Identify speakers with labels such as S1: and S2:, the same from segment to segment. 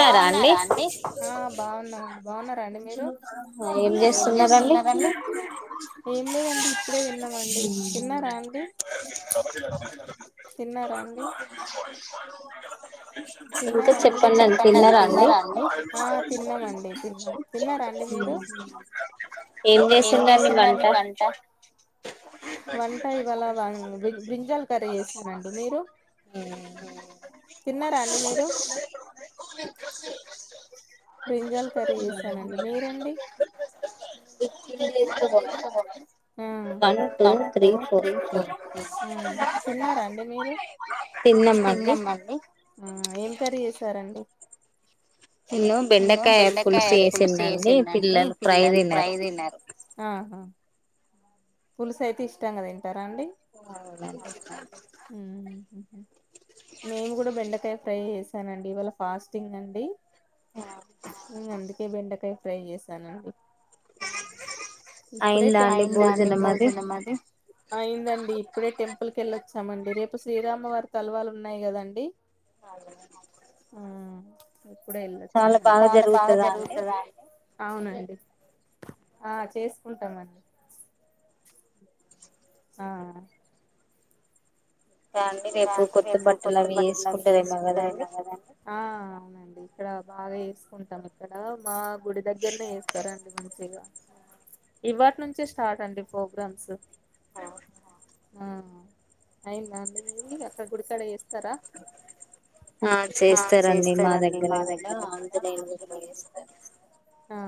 S1: బాగున్నారా అండి? బాగున్నామండి. బాగున్నారా అండి మీరు? ఏం చేస్తున్నారండి? ఏం లేదండి ఇప్పుడే. తిన్నామండి. తిన్నారా అండి? తిన్నారా అండి? తిన్నారా అందుకే చెప్పండి. తిన్నారా అండి? ఆ తిన్నామండి. తిన్నాము. తిన్నారా అండి మీరు ఏం చేసిందని వంట వంట ఇవాలా బ్రింజాల్ కర్రీ చేసానండి. మీరు? తిన్నారా అండి మీరు బ్రింజాల్ కర్రీ చేసానండి. మీరండి?
S2: ఇ [unintelligible]
S1: హ్మ్ వన్ టూ త్రీ ఫోర్ తిన్నారాండి మీరు?
S2: తిన్నామండి.
S1: ఏం కర్రీ చేసారండి? ఇదిగో బెండకాయ పులుసు చేసినానండి పిల్లలు ప్రై తినరు. ఆహా! పులుసు అయితే ఇష్టంగా తింటారా అండి?
S2: అవు [unintelligible]
S1: మేము కూడా బెండకాయ ఫ్రై చేసానండి. ఇవాళ ఫాస్టింగ్ అండి. అందుకే బెండకాయ ఫ్రై చేశానండి. ఇప్పుడే, అయిందా అండి? భోజనం అండి. అయిందండి. ఇప్పుడే టెం లోపలికెళ్ళొచ్చామండి రేపు శ్రీరామవారి తలవాలు ఉన్నాయి కదాండి
S2: ఆల్లనే
S1: చాలా బాగ జరుగుతల్లే అవునండి ఆ చేసుకుంటామండి ఆ ఫ్యామిలీ రేపు కొత్త బట్టలు అవి చేసుకుంటారేమో కదా అవునండి ఇక్కడ బాగా ఏసుకుంటాం ఇక్కడ మా గుడి దగ్గరనే వేస్తారండి మన్ ఇవాటి నుంచే స్టార్ట్ అండి ప్రోగ్రామ్స్
S2: అయివా
S1: ఆ అయింద అండి మీరి అక్కడ గుడికాడ చేస్తారా ఆ చేస్తారండి మా దగ్గర [inaudible] ఆ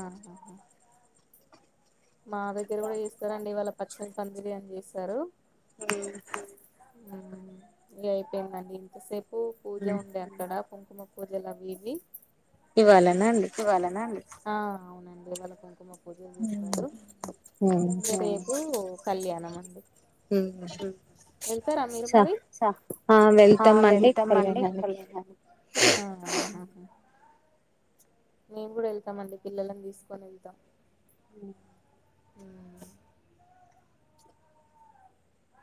S1: మా దగ్గర కూడా చేస్తారండి వాళ్ళ పచ్చని పందిలి అని చేస్తారు
S2: హూ
S1: ఆ ఇగ అయిపోయిందండి ఇంతసేపు పూజ ఉండే అక్కడ కుంకుమ పూజలు అవి ఇవి
S2: ఇవాలన అండి
S1: ఆ అవునండి వాళ్ళ కుంకుమ పూజలు చేస్ ఇంగ రేపు కళ్యాణం అ ఎళ్తారా మీరు మరి ఆ వెళ్తామండే కోలా మేం కూడా వెళ్తామండి పిల్లలని తీసుకొని వెళ్తాం
S2: హు
S1: ఆ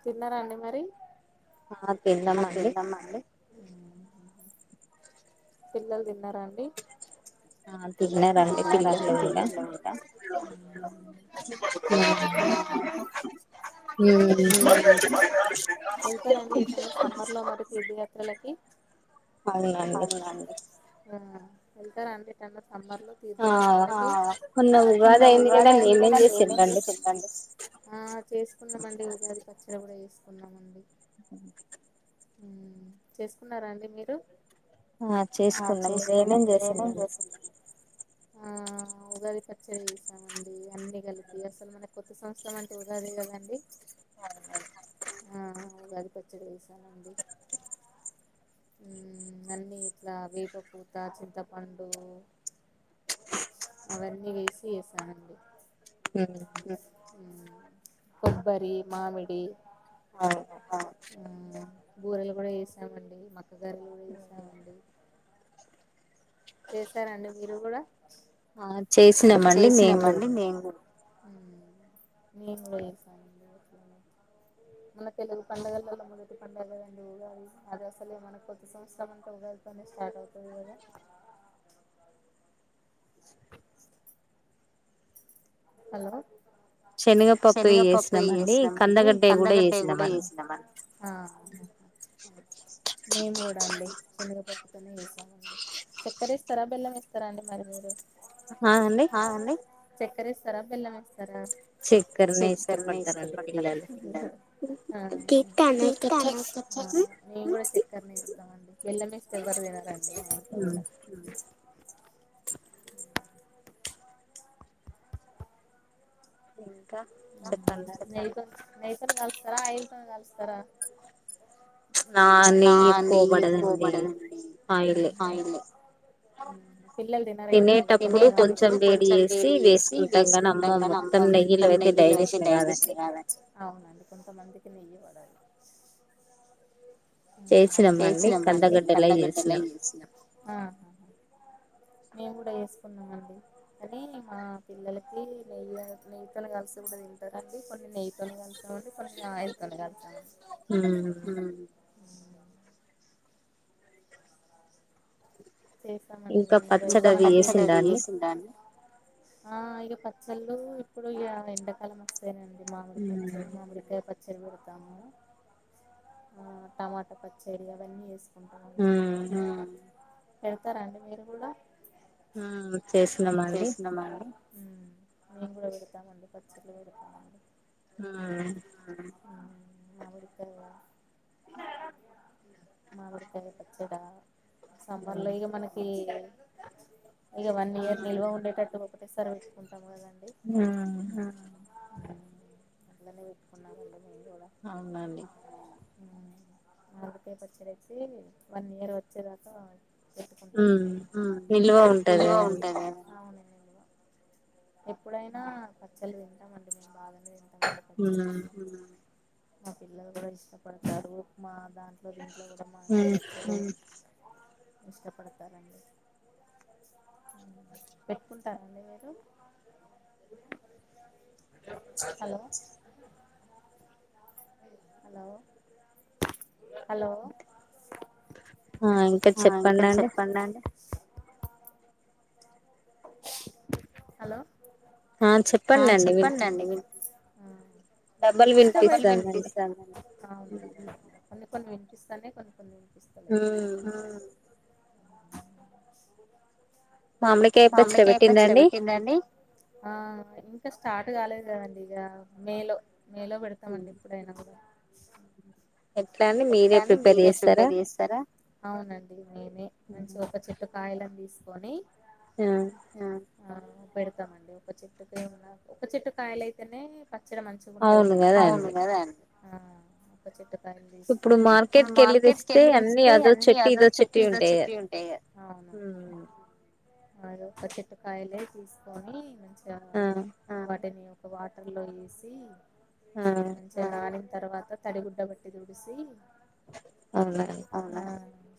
S1: తిన్నారా అండి మరి
S2: ఆ తిన్నాం అండి
S1: ఊహూ పిల్లలు తిన్నారా అండి
S2: ఆ తిన్నారండి పిల్లలు కూడా ఊ
S1: ఊ వెళ్తారా అండి ఎటైనా సమ్మర్ లో [inaudible] తీర్థయాత్రలకి అవునండి సమ్మర్ లో తీర్థయాత్రలకి మొన్న ఉగాది అయ్యింది కాదండి ఏమేం చేసిండండి ఆ చేసుకున్నామండి ఉగాది పచ్చడ కూడా చేసుకున్నామండి ఊ చేసుకున్నారా అండి మీరు ఆ చేసుకున్నాం మీరు ఏమేం చేసిం [inaudible] ఆ ఆ ఉగాది పచ్చడి చేసామండి అన్నీ కలిపి అసలు మన కొత్త సంవత్సరం అంటే ఉగాది కదండి ఆ ఉగాది పచ్చడి చేసామండి ఊ అన్నీ ఇట్లా వేప పూత చింతపండు అవన్నీ వేసి ఏసామండి
S2: హ్మ్
S1: ఉమ్ కొబ్బరి మామిడి
S2: అవునా
S1: ఊ బూరెలు కూడా ఏసామండి మక్క గారెలు కూడా చేశామండి చేసారా అండి మీరు కూడా నేన్ కుడా చెసా మన తెలుగు పండగలలో మొదటి పండగదండి ఉగాలి అది అసలే మన కొత్త సంవత్సరం అంతా ఉగా ఇక్కడనే స్టార్ట్ అవుతది కదా హలో శనగపప్పు చేసినామండి, కందగడ్డయి కూడా చేసినాం మేమ్ కూడా అండి శనగపప్పుతోనే చేసామండి చెక్కర ఏస్తారా బెల్లం ఏస్తారా అండి మరి మీరు
S2: ఆ అండి
S1: చక్కర ఏస్తరా బెలం వేస్తారా? [unintelligible] మేము కూడా చక్కరనే ఎస్తామండి బెల్లంమేస్తే ఎవరు తినారండి మా ఇంట్లో కుడా
S2: ఇంకా
S1: నెయ్యి తో నెయ్యితోని కలుస్తారా అయిల్తోని కాలుస్తారా ఆ నెయ్యి ఎక్కువ పడదండి ఆయిలే మ్ తినేటప్పుడు కొంచెం వేడి చేసి వేసుకుంటం కాని ఆమ్మో మొత్తం నెయ్ లో అయితే డైజెశాన్ కాదండి నెయ్యి పడద్ ఎసిన మళ్ళీ కందగడ్డ లో ఏసినం మేము కూడా ఏసుకున్నామండి కని మా పిల్లలకి నెయ్యి ఆ నెయ్యతలు కలి కూడా తింటారండి కొన్ని నెయ్యి తోన్ కొన్ని ఆయిల్ తోని కాలుస్తామండి చేసమండీ నేను కూడా ఆ ఇగ పచ్చళ్ళు ఇప్పుడు ఇగ ఎండాకాలం వస్తాకదండి మామిడి పచ్చడి మామిడికాయ పచ్చ పచ్చడి పెడతాము ఆ టమాటా పచ్చడి అవన్నీ ఎస్ ఆ పెడతారండి మీరు కూడా
S2: ఆ చేసినమండి
S1: మ్మ్ మేం కూడా పెడతామండి పచ్చళ్ళు, పెడతామండి
S2: మ్మ్
S1: మ్మ్ మామిడికాయ మామిడికాయ పచ్చడా, సమర్ లో ఇగ మనకీ ఇగ వన్ ఇయర్ నిల్వ ఉండేటట్టు ఒకటే సరి పెట్టుకుంటాం కదండి అట్లానే వెట్కున్నా
S2: అవునండి
S1: ఆవకాయ పచ్చడి వేసి వన్ ఇయర్ వచ్చేదాకా పెట్టుకుంటామండి [unintelligible] ఎప్పుడైనా పచాడ్లు తింటామండి మేము బాగానే తిం
S2: మ్మ్
S1: మా పిల్లలు కూడా ఇష్టపడతారు, మా దాంట్లో ఇంట్లో కూడా మ్యాంగో పచ్చ ఇష్టపడతారండి పెట్టుకుంటారా అండి మీరు హలో హలో హలో ఆ చెప్పండండి వినిపి డబల్ వినిపిస్తంది అండి కొన్ని వినిపిస్తాన్నయ్ కొన్ని వినిపిస్తలే మామిడికాయ పచ్చడి పెట్టిందా అండి ఆ ఇంకా స్టార్ట్ కాలేదు కదండి ఇక మే లో మేలో పెడతామండి ఇప్పుడైనా కూడా ఎట్లా అండీ మీరే ప్రిపేర్ చేస్తారా అవునండి నేనే మంచి ఒక చెట్టు కాయలను తీసుకొని ఆ పెడతామండి ఒక చెట్టుకు ఏమన్నా ఒక చెట్టు కాయల అయితేనే పచ్చడి మంచిగా ఉంటది కదా ఒక చెట్టుకాయ మార్కెట్ కెళ్ళి తెస్తే అన్ని అదోచెట్టు ఇదో చెట్టు ఉంటాయయే
S2: అ
S1: అదొ ఒక చెట్కాయలే తీసుకొని మంచిగా వాటిని వాటర్ లో వేసి మంచిగా అరిన తర్వాత తడిగుడ్డ పట్టి వెసి అవునా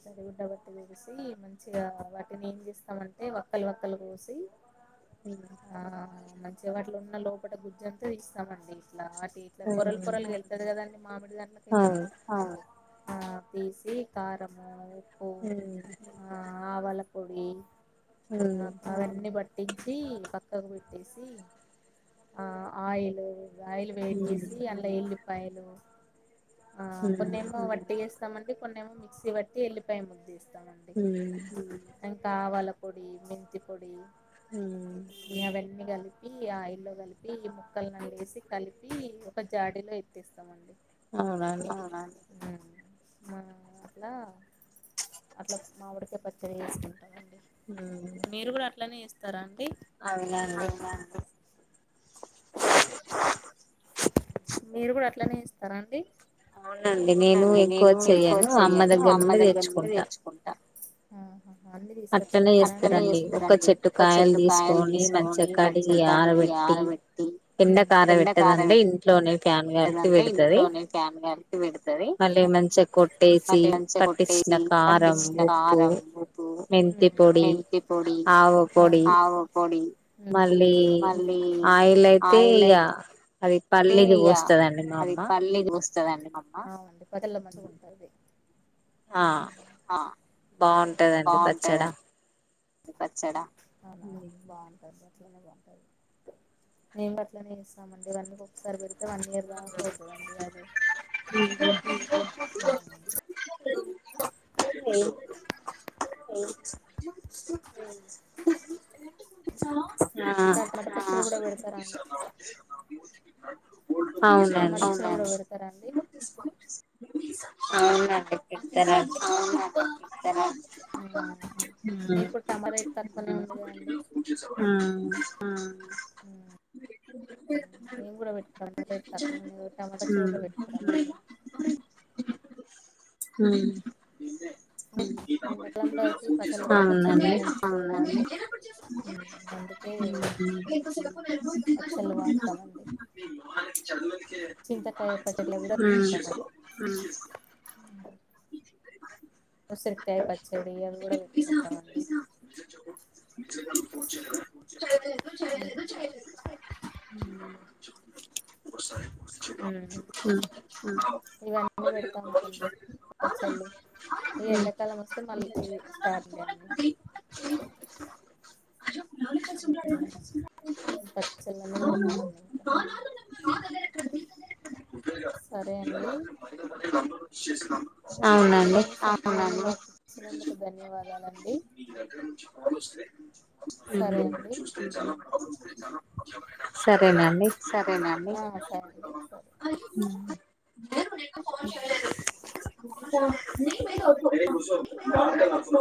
S1: తడిగుడ్డ వెసి మంచిగా వాటిని ఏం చేస్తామంటే వక్కలు వక్కలుగా కోసి
S2: ఉ
S1: మంచిగా వాటిలో ఉన్న లోపట గుజ్జ అంతా ఇస్తామండి ఇలా ఇట్లా పొరలు పొరలు వెళ్తా కదండి మామిడి గారి
S2: అ
S1: ఆ తీసి కారము ఆవాల పొడి అవన్నీ బట్ట పట్టించి పక్కకు పెట్టేసి ఆయిల్ ఆయిల్ వేడి చేేసి అలా ఎల్లిపాయలు ఆ కొన్ని ఏమో వట్టి గే వేస్ ఎమాంటే కొన్ని ఏమో మిక్సీట్టి ఎల్లిపాయ ముక్కలు తీస్తాం అండీ కా ఆవల పొడి మెంతి పొడి
S2: అ
S1: అన్ని కలిపి ఆ ఇల్లో కలిపి ఈ ముక్కలను అండేసి కలిపి ఒక జాడీలో ఎత్తేస్తామండి అవునా మా అట్లా అట్లా మామిడికాయ పచ్చడి చెస్తాం మీరు కూడా అట్లనే ఇస్తారా అడి అవునా మీరు కూడా అట్నే ఇస్తారా అండి అవునండి నేను ఎక్కువ చెయను అమ్మ దగ్గర నుండి తెచ్చుకుంటా ఆ అన్ని తీసుకొచ్చుకుంటారా అండీ అటానె చేస్తారండి ఒక చెట్టు కాయలు తీసుకొని మంచిగా కాడిగి ఆరబెట్టి ఎిండ కార పెట్దంటే ఇంట్లోనే ఫ్యాన్ కలిపి పెడతుది మల్ళీ కొంచి కొట్టేసి పట్టించిన కారం ఉప్పు మెంతి పొడి ఆవు పొడి మళ్ళీ
S2: నైలయితే ఇక అది పల్లిది పోస్తుందండి మా అమ్మ
S1: ం అవుండి పజల మసగుంటుంది [unintelligible]
S2: పంటదండి పచ్చడా
S1: పచ్చడా అవునా బాగుంటది అట్నే బాగుంట మేమి అట్లనే ఇస్తామండి ఇవరిీ ఒకసారి పెడు అ వన్ ఇయర్ బ్యాఫ్ అవుతుందండి అరే ఇంకాక మాట ప కూడా కూడా వెడుతార తమట ఎరుడతారండి
S2: అవు నాతార అ
S1: సరే మీప్పుడు టమరైట్ తంపనే ఉండగా అండి
S2: ఉ
S1: ఆ మేము కూడా పెట్టుకుక్ టమాటా చె కూడా పెట్టుకుంటాడి [inaudible]
S2: హ
S1: రండకలంలో అయితే ఈ పచ్చల కూర్చం ఉండాల అనుకుంటున్నాను అందుకేచ్చల్వా సమ చింతకాప్ప చెట్లా విర కొంట ఉసిరికాయ పచ్చడి అవి కూడా పెట్టుకుంటామండి [inaudible] ఇవన్నీ పెడతామునండి ఒకసెలు ఈ ఎండాకాలం వస్తే మళ్ళీ ఇది స్టార్ట్ చేడి
S2: [inaudible] మష చ
S1: పచ్చదలు పెడతామన్నాయి సరే అండి న విలువైన సడి చ్చినందుకు ధన్యవాదాలండి సరే అండి
S2: సరేనండి
S1: సరే అండి సర
S2: ఫోన్ చేలే నీమీద ఒట్టు